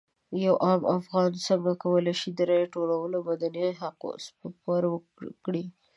یو عام افغان څنګه کولی شي د رایې ټوټه د مدني حق سپر کړي.